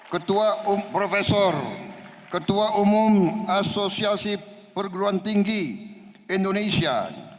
ketua profesor ketua umum asosiasi perguruan tinggi indonesia